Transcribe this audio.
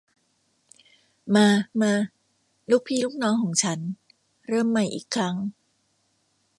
มา มา ลูกพี่ลูกน้องของฉัน เริ่มใหม่อีกครั้ง